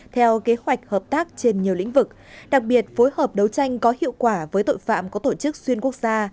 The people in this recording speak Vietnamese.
theo kế hoạch hợp tác trên nhiều lĩnh vực đặc biệt phối hợp đấu tranh có hiệu quả với tội phạm có tổ chức xuyên quốc gia